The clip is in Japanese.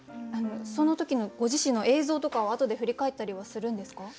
その時のご自身の映像とかはあとで振り返ったりはするんですか？